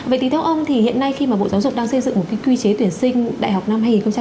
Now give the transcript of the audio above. vậy thì theo ông thì hiện nay khi mà bộ giáo dục đang xây dựng một cái quy chế tuyển sinh đại học năm hai nghìn hai mươi